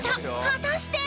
果たして？